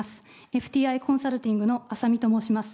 ＦＴＩコンサルティングのアサミと申します。